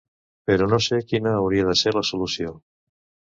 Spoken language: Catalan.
Però no sé quina hauria de ser la solució.